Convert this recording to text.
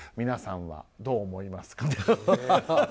皆さんはどう思いますか？と。